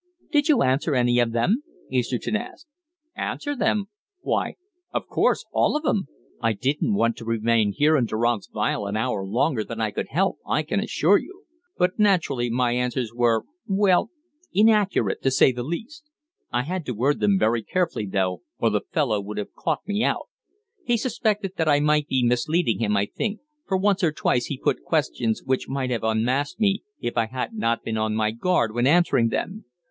"Did you answer any of them?" Easterton asked. "Answer them? Why, of course all of 'em. I didn't want to remain here in durance vile an hour longer than I could help, I can assure you. But naturally my answers were well, 'inaccurate,' to say the least. I had to word them very carefully, though, or the fellow would have caught me out. He suspected that I might be misleading him, I think, for once or twice he put questions which might have unmasked me if I had not been on my guard when answering them.